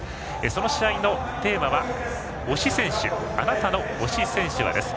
その試合のテーマはあなたの推し選手は？です。